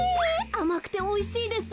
あまくておいしいです。